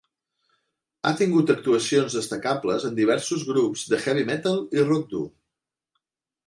Ha tingut actuacions destacables en diversos grups de heavy metal i rock dur.